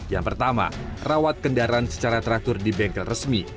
yang pertama rawat kendaraan secara teratur di bengkel resmi